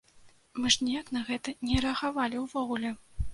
Мы ж ніяк на гэта не рэагавалі ўвогуле.